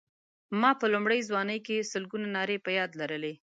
ما په لومړۍ ځوانۍ کې سلګونه نارې په یاد لرلې.